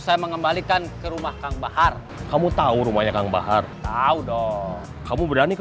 saya mengembalikan ke rumah kang bahar kamu tahu rumahnya kang bahar tahu dong kamu berani ke